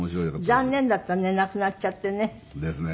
残念だったね亡くなっちゃってね。ですね。